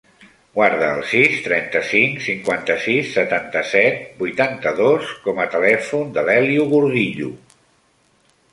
Guarda el sis, trenta-cinc, cinquanta-sis, setanta-set, vuitanta-dos com a telèfon de l'Elio Gordillo.